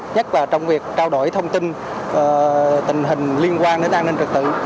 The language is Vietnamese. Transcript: nhất là trong việc trao đổi thông tin tình hình liên quan đến an ninh trật tự